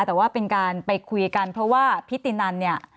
แต่ว่าเป็นการไปคุยกันเพราะว่าพิธีนันเนี่ย